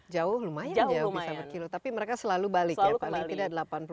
jauh lumayan bisa berkilo tapi mereka selalu balik ya paling tidak delapan puluh